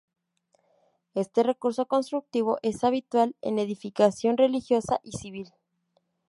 Este recurso constructivo es habitual en edificación religiosa y civil.